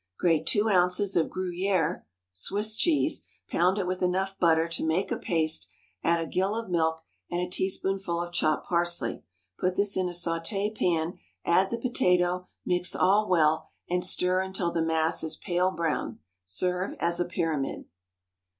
Grate two ounces of Gruyère (Swiss) cheese, pound it with enough butter to make a paste, add a gill of milk and a teaspoonful of chopped parsley; put this in a sauté pan, add the potato, mix all well, and stir until the mass is pale brown; serve as a pyramid.